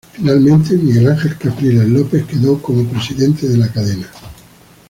Finalmente Miguel Ángel Capriles López quedó como presidente de la cadena.